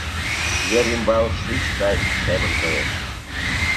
Ер ӱмбал шӱч гай шемын коеш.